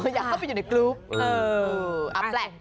อยากเข้าไปอยู่ในกรุ๊ป